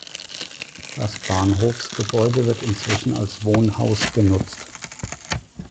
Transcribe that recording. Das Bahnhofsgebäude wird inzwischen als Wohnhaus genutzt.